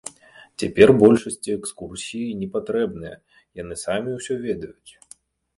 Цяпер большасці экскурсіі непатрэбныя, яны самі ўсё ведаюць.